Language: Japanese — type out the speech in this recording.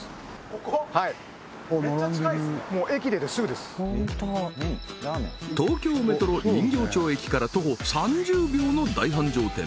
はい東京メトロ人形町駅から徒歩３０秒の大繁盛店